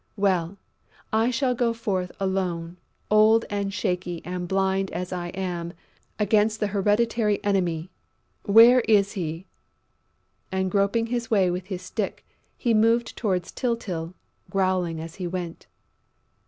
Well, I shall go forth alone, old and shaky and blind as I am, against the hereditary enemy!... Where is he?..." And groping his way with his stick, he moved towards Tyltyl, growling as he went.